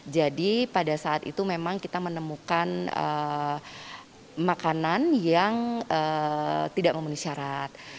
jadi pada saat itu memang kita menemukan makanan yang tidak memenuhi syaratnya